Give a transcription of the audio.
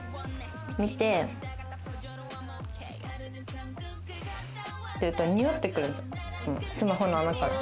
見て、っていうと、匂ってくるんですよ、スマホの穴から。